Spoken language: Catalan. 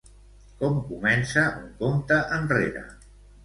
Com comença un compte enrere?